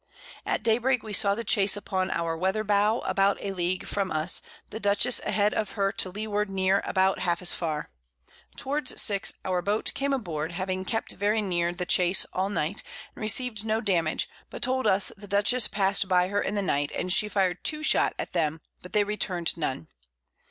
At Day break we saw the Chase upon our Weather Bow, about a League from us, the Dutchess a head of her to Leeward near about half as far. Towards 6 our Boat came aboard, having kept very near the Chase all Night, and receiv'd no Damage, but told us the Dutchess pass'd by her in the Night, and she fired 2 Shot at them, but they return'd none.